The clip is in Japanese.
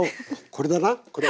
これだなこれ。